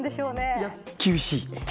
いや厳しい。